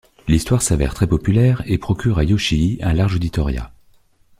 L'histoire s'avère très populaire et procure à Yoshii un large auditorat.